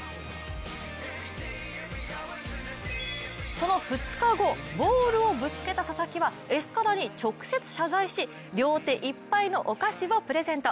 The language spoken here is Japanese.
その２日後、ボールをぶつけた佐々木は、エスカラに直接謝罪し両手いっぱいのお菓子をプレゼント。